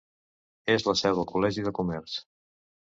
És la seu del Col·legi de Comerç.